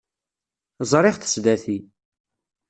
Zṛiɣ-t sdat-i.